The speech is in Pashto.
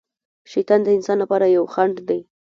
شیطان د انسان لپاره یو خڼډ دی.